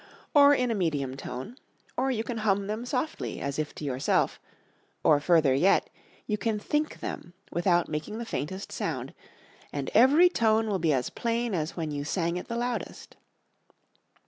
or in a medium tone, or you can hum them softly as if to yourself; or further yet, you can think them without making the faintest sound, and every tone will be as plain as when you sang it the loudest.